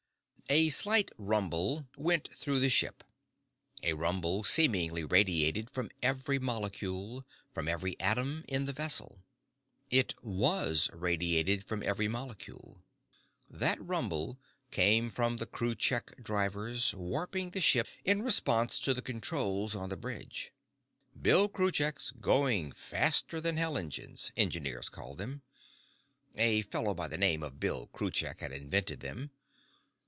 A slight rumble went through the ship, a rumble seemingly radiated from every molecule, from every atom, in the vessel. It was radiated from every molecule! That rumble came from the Kruchek drivers warping the ship in response to the controls on the bridge. Bill Kruchek's going faster than hell engines, engineers called them. A fellow by the name of Bill Kruchek had invented them.